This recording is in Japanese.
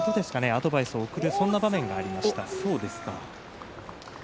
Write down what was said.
アドバイスを送るそんな場面がありました。